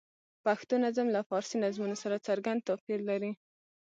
پښتو نظم له فارسي نظمونو سره څرګند توپیر لري.